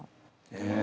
へえ。